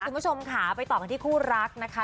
คุณผู้ชมค่ะไปต่อกันที่คู่รักนะคะ